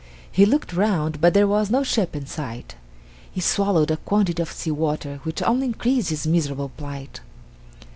He looked round, but there was no ship in sight. He swallowed a quantity of sea water, which only increased his miserable plight.